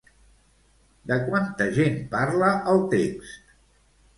De quanta gent parla el text?